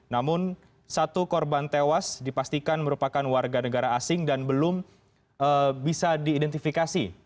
namun satu korban tewas dipastikan merupakan warga negara asing dan belum bisa diidentifikasi